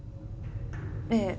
ええ。